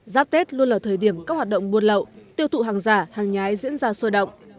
giáp tết luôn là thời điểm các hoạt động buôn lậu tiêu thụ hàng giả hàng nhái diễn ra sôi động